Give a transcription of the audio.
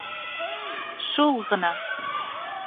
— Шул ғына!